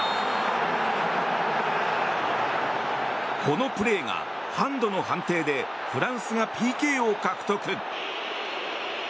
このプレーがハンドの判定でフランスがＰＫを獲得。